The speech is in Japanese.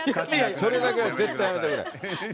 それだけは絶対やめてくれ。